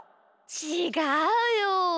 ちがうよ。